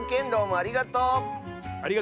ありがとう！